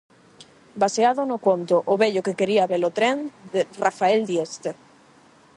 Baseado no conto "O vello que quería ve-lo tren", de Rafael Dieste.